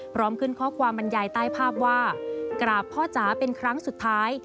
พร้อมขึ้นข้อความบรรยายใต้ภาพว่ากราบพ่อจ๋าเป็นครั้งสุดท้าย